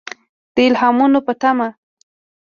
د الهامونو په تمه.